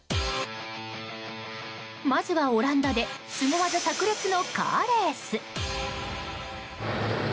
まずはオランダでスゴ技炸裂のカーレース。